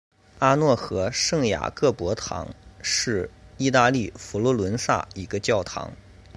阿诺河圣雅各伯堂是意大利佛罗伦萨一个教堂。